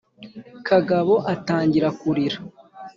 kagabo atangira kurira.